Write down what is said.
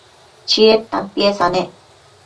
Chied tantiesa nec